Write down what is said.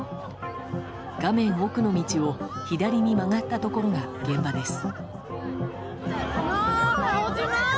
画面奥の道を左に曲がったところが現場です。